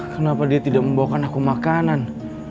kenapa dia tidak membawakan aku makanan